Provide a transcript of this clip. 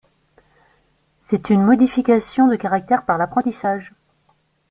C'est une modification de caractères par l'apprentissage.